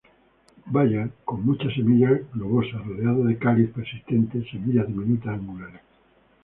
Baya con muchas semillas, globosa, rodeado de cáliz persistente, semillas diminutas, angulares.